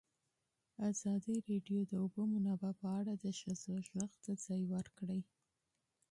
ازادي راډیو د د اوبو منابع په اړه د ښځو غږ ته ځای ورکړی.